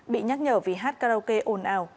bị nhắc nhở vì hát karaoke ồn ào